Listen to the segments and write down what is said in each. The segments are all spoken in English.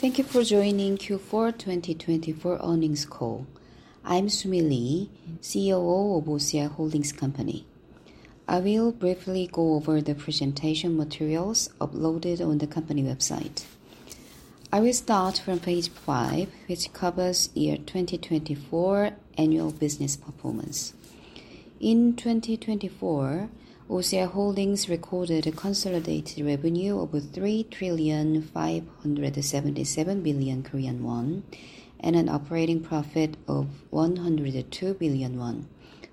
Thank you for joining Q4 2024 earnings call. I'm Su Mi Lee, COO of OCI Holdings Company. I will briefly go over the presentation materials uploaded on the company website. I will start from page five, which covers year 2024 annual business performance. In 2024, OCI Holdings recorded a consolidated revenue of 3,577 billion Korean won and an operating profit of 102 billion won,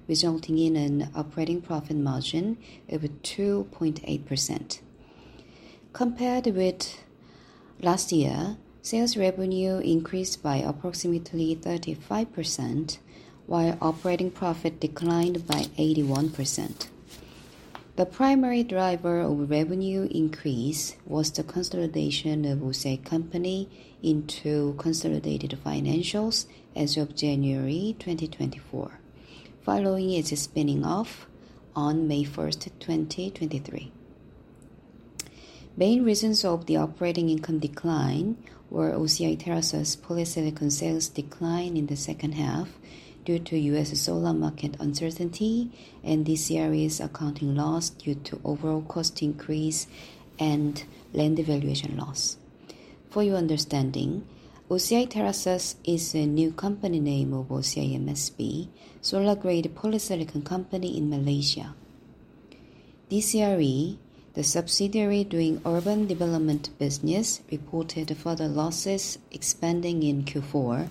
resulting in an operating profit margin of 2.8%. Compared with last year, sales revenue increased by approximately 35%, while operating profit declined by 81%. The primary driver of revenue increase was the consolidation of OCI Company into consolidated financials as of January 2024, following its spin-off on May 1, 2023. Main reasons of the operating income decline were OCI TerraSus' polysilicon sales decline in the second half due to U.S. solar market uncertainty and DCRE's accounting loss due to overall cost increase and land devaluation loss. For your understanding, OCI TerraSus is a new company name of OCI MSB, solar-grade polysilicon company in Malaysia. DCRE, the subsidiary doing urban development business, reported further losses expanding in Q4,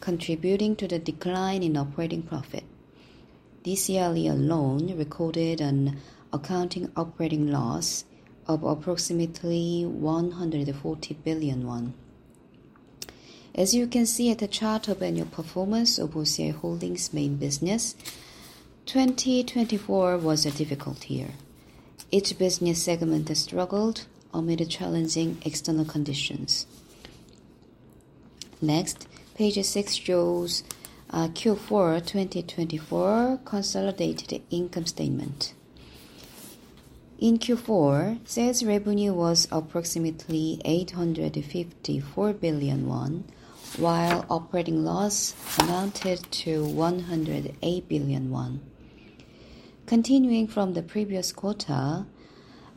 contributing to the decline in operating profit. DCRE alone recorded an accounting operating loss of approximately 140 billion won. As you can see at the chart of annual performance of OCI Holdings' main business, 2024 was a difficult year. Each business segment struggled amid challenging external conditions. Next, page six shows Q4 2024 consolidated income statement. In Q4, sales revenue was approximately 854 billion won, while operating loss amounted to 108 billion won. Continuing from the previous quarter,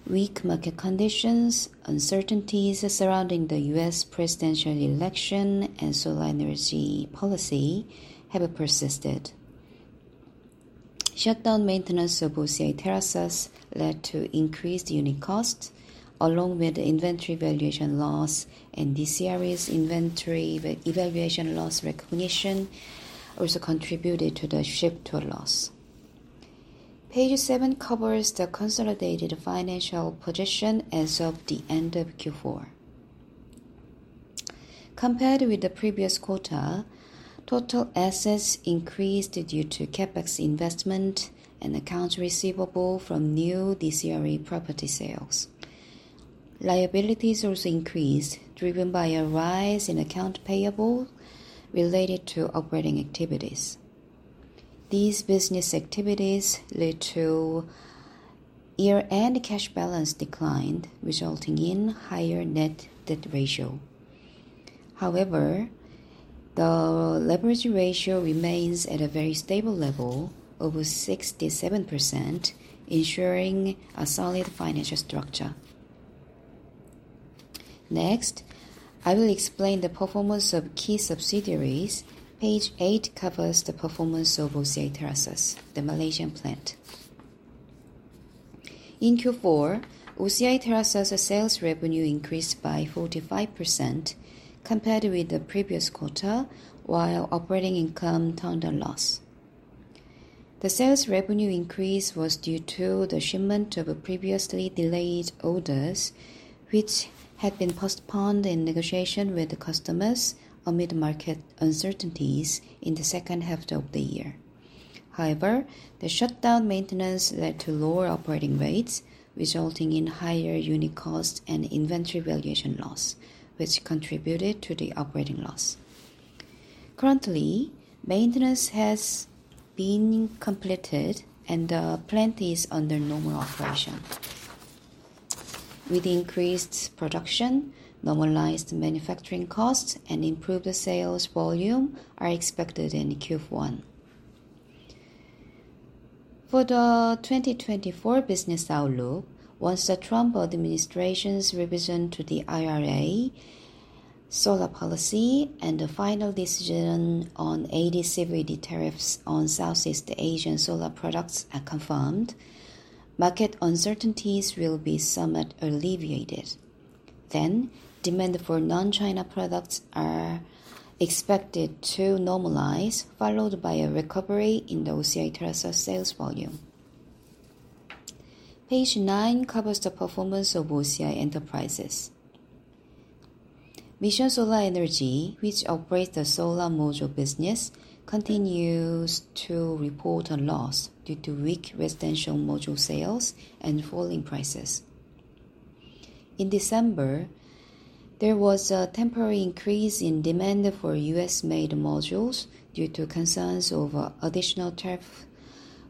weak market conditions, uncertainties surrounding the U.S. presidential election, and solar energy policy have persisted. Shutdown maintenance of OCI TerraSus led to increased unit cost, along with inventory valuation loss and DCRE's inventory valuation loss recognition, also contributed to the sharp total loss. Page seven covers the consolidated financial position as of the end of Q4. Compared with the previous quarter, total assets increased due to CapEx investment and accounts receivable from new DCRE property sales. Liabilities also increased, driven by a rise in accounts payable related to operating activities. These business activities led to year-end cash balance decline, resulting in higher net debt ratio. However, the leverage ratio remains at a very stable level of 67%, ensuring a solid financial structure. Next, I will explain the performance of key subsidiaries. Page eight covers the performance of OCI TerraSus, the Malaysian plant. In Q4, OCI TerraSus' sales revenue increased by 45% compared with the previous quarter, while operating income turned a loss. The sales revenue increase was due to the shipment of previously delayed orders, which had been postponed in negotiation with customers amid market uncertainties in the second half of the year. However, the shutdown maintenance led to lower operating rates, resulting in higher unit cost and inventory valuation loss, which contributed to the operating loss. Currently, maintenance has been completed, and the plant is under normal operation. With increased production, normalized manufacturing costs, and improved sales volume are expected in Q1. For the 2024 business outlook, once the Trump administration's revision to the IRA, solar policy, and the final decision on AD/CVD tariffs on Southeast Asian solar products are confirmed, market uncertainties will be somewhat alleviated. Then, demand for non-China products is expected to normalize, followed by a recovery in the OCI TerraSus sales volume. Page nine covers the performance of OCI Enterprises. Mission Solar Energy, which operates the solar module business, continues to report a loss due to weak residential module sales and falling prices. In December, there was a temporary increase in demand for U.S.-made modules due to concerns over additional tariffs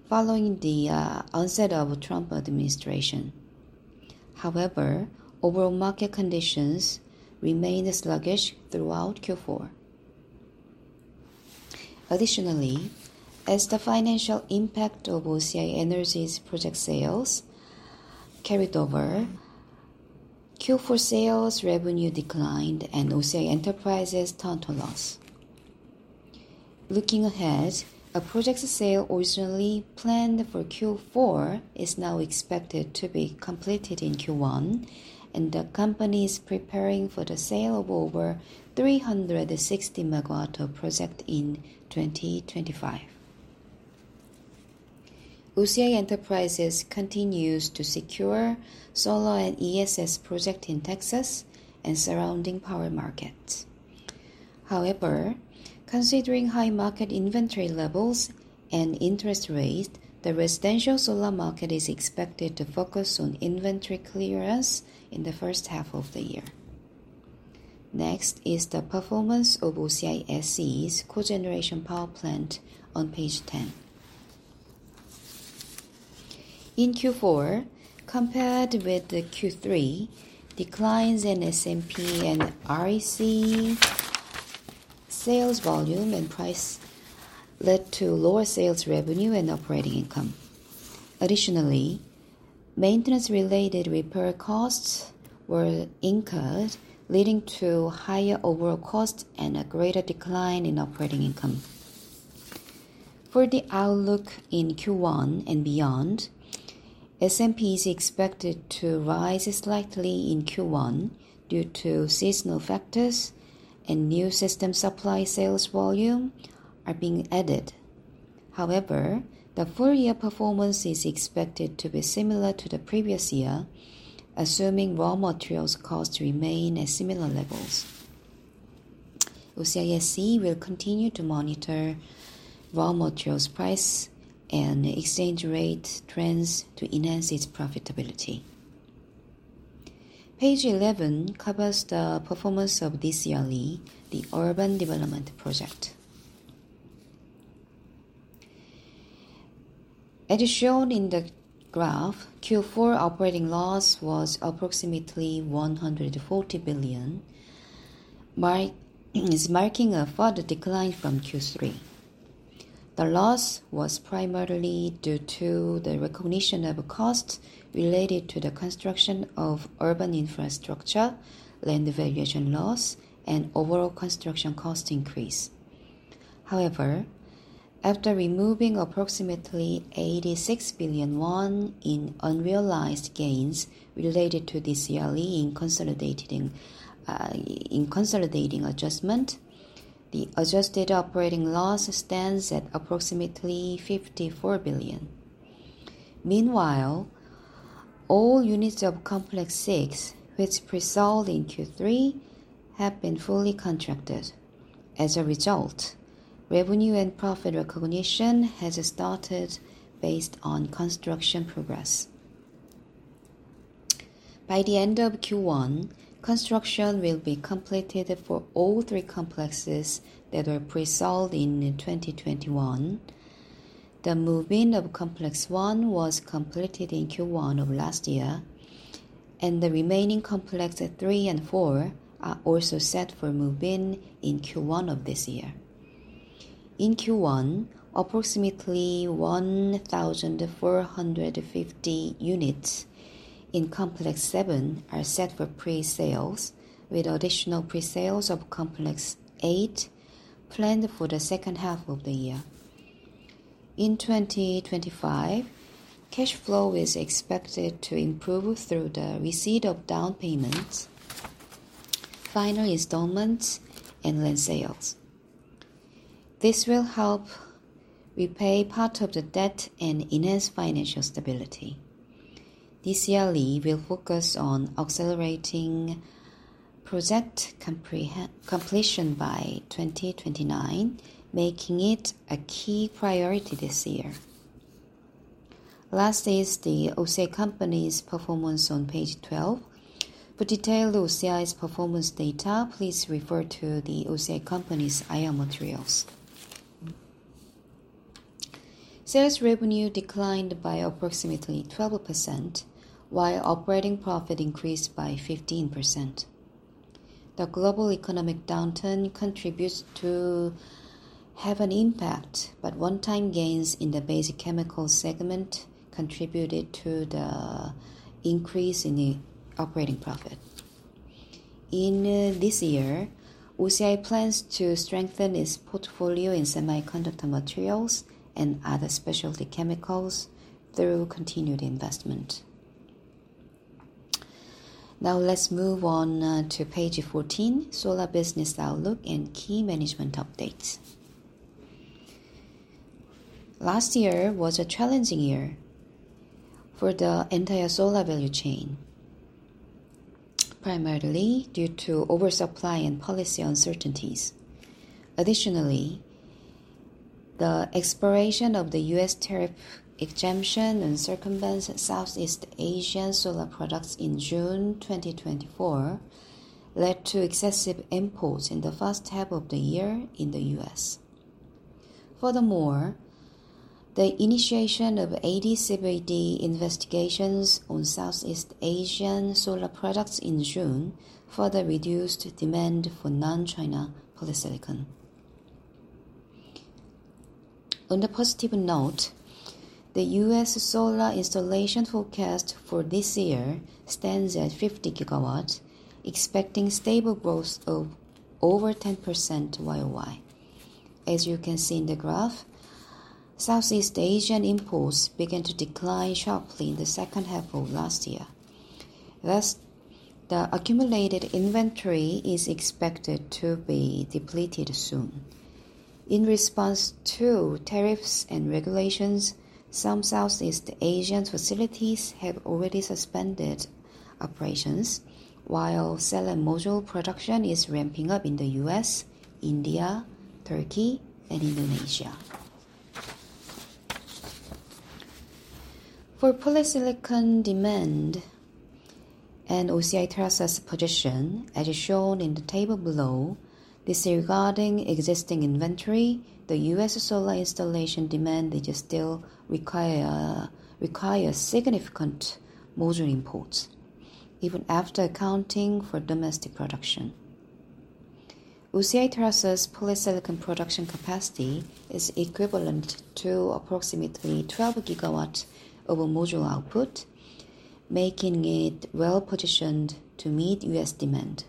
following the onset of the Trump administration. However, overall market conditions remained sluggish throughout Q4. Additionally, as the financial impact of OCI Energy's project sales carried over, Q4 sales revenue declined and OCI Enterprises turned a loss. Looking ahead, a project sale originally planned for Q4 is now expected to be completed in Q1, and the company is preparing for the sale of over 360 megawatt-hour projects in 2025. OCI Enterprises continues to secure solar and ESS projects in Texas and surrounding power markets. However, considering high market inventory levels and interest rates, the residential solar market is expected to focus on inventory clearance in the first half of the year. Next is the performance of OCI SE's cogeneration power plant on page 10. In Q4, compared with Q3, declines in SMP and REC sales volume and price led to lower sales revenue and operating income. Additionally, maintenance-related repair costs were incurred, leading to higher overall cost and a greater decline in operating income. For the outlook in Q1 and beyond, SMP is expected to rise slightly in Q1 due to seasonal factors and new system supply sales volume being added. However, the full-year performance is expected to be similar to the previous year, assuming raw materials costs remain at similar levels. OCI SE will continue to monitor raw materials price and exchange rate trends to enhance its profitability. Page 11 covers the performance of DCRE, the urban development project. As shown in the graph, Q4 operating loss was approximately 140 billion, marking a further decline from Q3. The loss was primarily due to the recognition of costs related to the construction of urban infrastructure, land devaluation loss, and overall construction cost increase. However, after removing approximately 86 billion won in unrealized gains related to DCRE in consolidating adjustment, the adjusted operating loss stands at approximately 54 billion. Meanwhile, all units of Complex 6, which preceded Q3, have been fully contracted. As a result, revenue and profit recognition has started based on construction progress. By the end of Q1, construction will be completed for all three complexes that were preceded in 2021. The move-in of Complex 1 was completed in Q1 of last year, and the remaining Complex 3 and 4 are also set for move-in in Q1 of this year. In Q1, approximately 1,450 units in Complex 7 are set for pre-sales, with additional pre-sales of Complex 8 planned for the second half of the year. In 2025, cash flow is expected to improve through the receipt of down payments, final installments, and land sales. This will help repay part of the debt and enhance financial stability. DCRE will focus on accelerating project completion by 2029, making it a key priority this year. Last is the OCI Company's performance on page 12. For detailed OCI's performance data, please refer to the OCI Company's IR materials. Sales revenue declined by approximately 12%, while operating profit increased by 15%. The global economic downturn contributes to adverse impact, but one-time gains in the basic chemicals segment contributed to the increase in the operating profit. In this year, OCI plans to strengthen its portfolio in semiconductor materials and other specialty chemicals through continued investment. Now, let's move on to page 14, solar business outlook and key management updates. Last year was a challenging year for the entire solar value chain, primarily due to oversupply and policy uncertainties. Additionally, the expiration of the US tariff exemption and circumvention of Southeast Asian solar products in June 2024 led to excessive imports in the first half of the year in the U.S. Furthermore, the initiation of AD/CVD investigations on Southeast Asian solar products in June further reduced demand for non-China polysilicon. On a positive note, the U.S. solar installation forecast for this year stands at 50 gigawatts, expecting stable growth of over 10% worldwide. As you can see in the graph, Southeast Asian imports began to decline sharply in the second half of last year. Thus, the accumulated inventory is expected to be depleted soon. In response to tariffs and regulations, some Southeast Asian facilities have already suspended operations, while cell and module production is ramping up in the U.S., India, Turkey, and Indonesia. For polysilicon demand and OCI TerraSus' position, as shown in the table below, disregarding existing inventory, the U.S. solar installation demand still requires significant module imports, even after accounting for domestic production. OCI TerraSus' polysilicon production capacity is equivalent to approximately 12 gigawatts of module output, making it well-positioned to meet U.S. demand.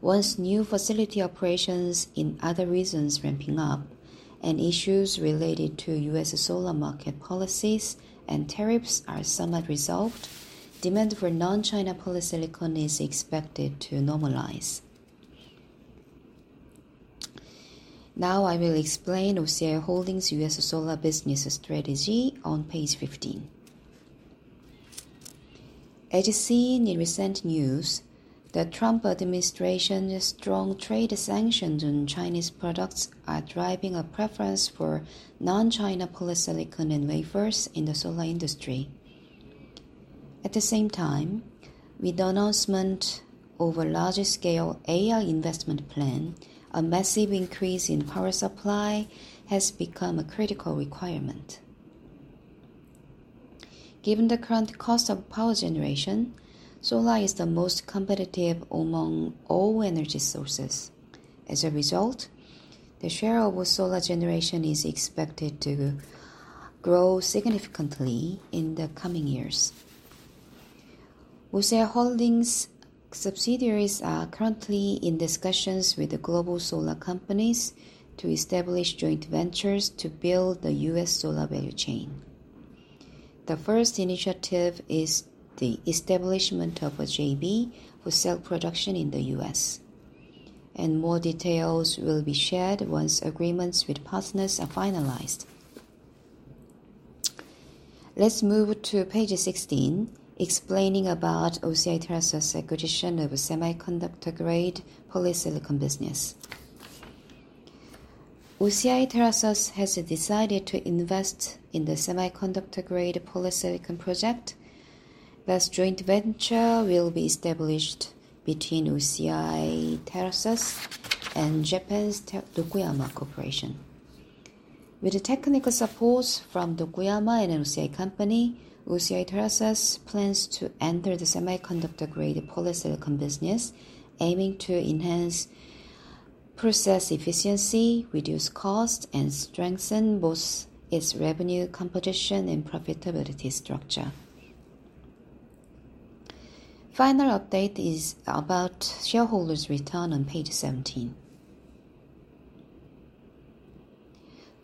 Once new facility operations in other regions ramping up and issues related to U.S. solar market policies and tariffs are somewhat resolved, demand for non-China polysilicon is expected to normalize. Now, I will explain OCI Holdings' U.S. solar business strategy on page 15. As seen in recent news, the Trump administration's strong trade sanctions on Chinese products are driving a preference for non-China polysilicon and wafers in the solar industry. At the same time, with the announcement of a larger-scale AI investment plan, a massive increase in power supply has become a critical requirement. Given the current cost of power generation, solar is the most competitive among all energy sources. As a result, the share of solar generation is expected to grow significantly in the coming years. OCI Holdings' subsidiaries are currently in discussions with the global solar companies to establish joint ventures to build the U.S. solar value chain. The first initiative is the establishment of a JV for cell production in the U.S., and more details will be shared once agreements with partners are finalized. Let's move to page 16, explaining about OCI TerraSus' acquisition of a semiconductor-grade polysilicon business. OCI TerraSus has decided to invest in the semiconductor-grade polysilicon project. This joint venture will be established between OCI TerraSus and Japan's Tokuyama Corporation. With the technical support from Tokuyama and OCI Company, OCI TerraSus plans to enter the semiconductor-grade polysilicon business, aiming to enhance process efficiency, reduce costs, and strengthen both its revenue composition and profitability structure. Final update is about shareholders' return on page 17.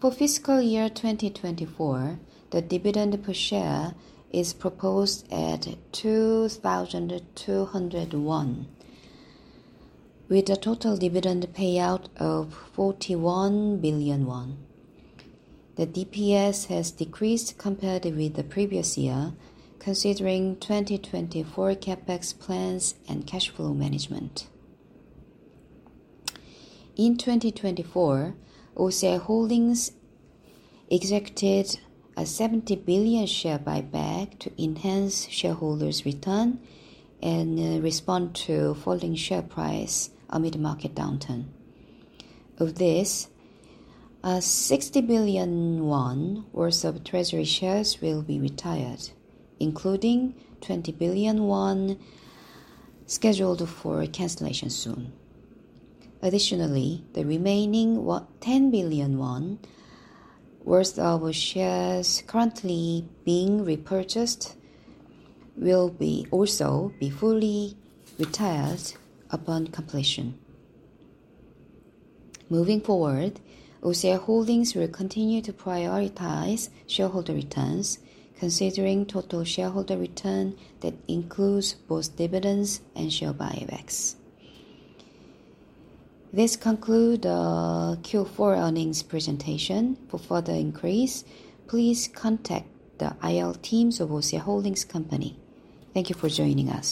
For fiscal year 2024, the dividend per share is proposed at 2,200, with a total dividend payout of 41 billion won. The DPS has decreased compared with the previous year, considering 2024 CapEx plans and cash flow management. In 2024, OCI Holdings executed a 70 billion share buyback to enhance shareholders' return and respond to falling share price amid market downturn. Of this, 60 billion won worth of treasury shares will be retired, including 20 billion won scheduled for cancellation soon. Additionally, the remaining 10 billion won worth of shares currently being repurchased will also be fully retired upon completion. Moving forward, OCI Holdings will continue to prioritize shareholder returns, considering total shareholder return that includes both dividends and share buybacks. This concludes the Q4 earnings presentation. For further inquiries, please contact the IR teams of OCI Holdings Company. Thank you for joining us.